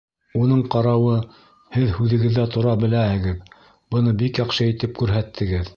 — Уның ҡарауы, һеҙ һүҙегеҙҙә тора беләһегеҙ, быны бик яҡшы итеп күрһәттегеҙ.